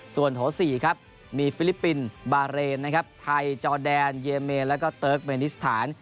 ส่วนโถที่๔มีฟิลิปปินบาเรนไทยจอดแดนเยเมนและเติร์กเมนิสถาน